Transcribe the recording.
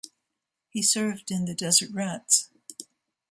He served in the Desert Rats.